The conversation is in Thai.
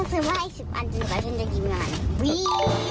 ต้องซื้อให้อีก๑๐อันกิโ๑๑กว่าฉันจะลืมหน้าแบบนั้น